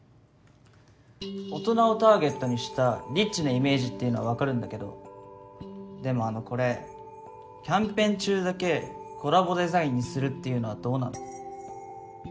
大人をターゲットにしたリッチなイメージっていうのは分かるんだけどでもあのこれキャンペーン中だけコラボデザインにするっていうのはどうなの？